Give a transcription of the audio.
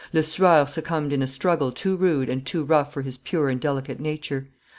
Lesueur succumbed in a struggle too rude and too rough for his pure and delicate nature.